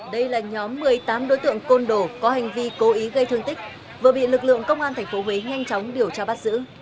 đây là nhóm một mươi tám đối tượng côn đồ có hành vi cố ý gây thương tích vừa bị lực lượng công an tp huế nhanh chóng điều tra bắt giữ